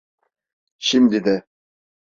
Şimdi de…